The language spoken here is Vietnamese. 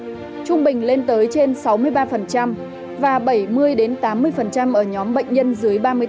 trung bình lên tới trên sáu mươi ba và bảy mươi tám mươi ở nhóm bệnh nhân dưới ba mươi bốn